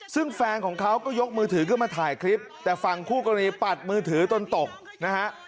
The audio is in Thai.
ซึ่งแฟนของเขาก็ยกมือถือขึ้นมาถ่ายคลิปแต่ฝั่งคู่กรณีปัดมือถือจนตกนะฮะ